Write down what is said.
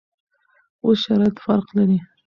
اوس شرایط فرق لري.